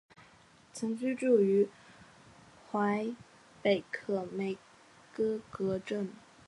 曾居住于魁北克梅戈格镇。